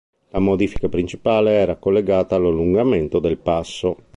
La modifica principale era collegata all'allungamento del passo.